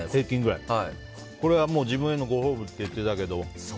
これは自分へのご褒美って言ってたけど。